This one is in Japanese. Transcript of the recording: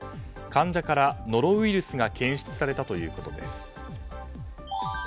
患者から、ノロウイルスが検出されたということです。